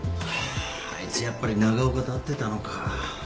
あいつやっぱり長岡と会ってたのか。